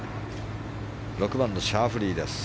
６番のシャフリーです。